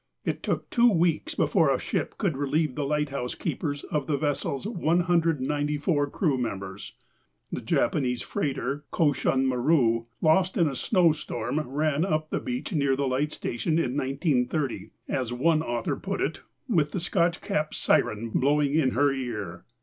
It took two weeks before a ship could relieve the lighthouse keepers of the vessel's 194 crewmembers. (CDAMay28,1909:4) The Japanese freighter KoshunMaru, lost in a snowstorm, ran up the beach near the light station in 1930, as one author put it, "with the Scotch Cap siren blowing in her ear."